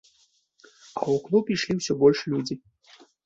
А ў клуб ішлі ўсё больш людзі.